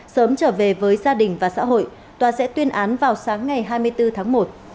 sớm trở về với gia đình và xã hội tòa sẽ tuyên án vào sáng ngày hai mươi bốn tháng một